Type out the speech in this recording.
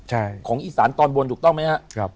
ใช่ของอีสานตอนบนถูกต้องไหมครับ